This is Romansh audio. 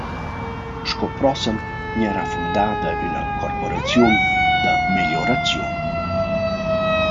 Sco prossem gnarà fundada üna corporaziun da meglioraziun.